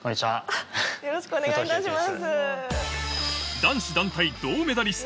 よろしくお願いします。